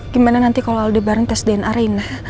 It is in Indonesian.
gimana nanti kalau aldebaran tes dna reina